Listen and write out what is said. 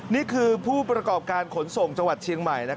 นี่คือผู้ประกอบการขนส่งจังหวัดเชียงใหม่